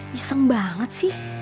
bising banget sih